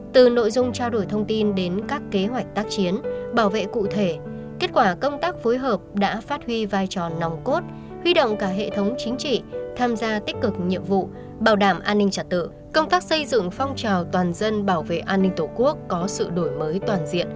từ nội dung trao đổi thông tin đến các kế hoạch tác chiến bảo vệ cụ thể kết quả công tác phối hợp đã phát huy vai trò nòng cốt huy động cả hệ thống chính trị tham gia tích cực nhiệm vụ bảo đảm an ninh trật tự công tác xây dựng phong trào toàn dân bảo vệ an ninh tổ quốc có sự đổi mới toàn diện